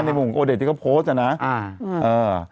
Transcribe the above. ในวงโอเดทที่เขาโพสต์อะน่ะอ่าอื้อ